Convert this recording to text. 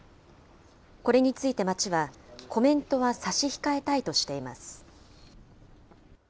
これについて町は、コメントは差し控えたいとしています。